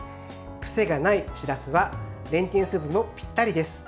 癖がないしらすはレンチンスープにもぴったりです。